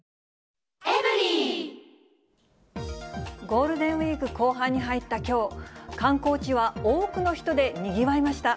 ゴールデンウィーク後半に入ったきょう、観光地は多くの人でにぎわいました。